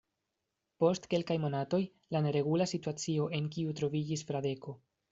Post kelkaj monatoj, la neregula situacio, en kiu troviĝis Fradeko.